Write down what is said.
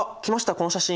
この写真。